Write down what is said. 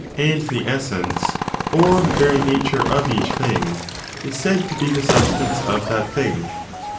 177 essence, or very nature of each thing, is said to be the sub stance of that thing.